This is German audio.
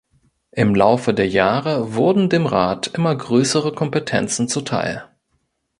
Im Laufe der Jahre wurden dem Rat immer größere Kompetenzen zuteil.